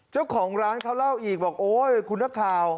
เจ้าของร้านเขาเล่าอีกบอกโอ๊ยคุณนักข่าว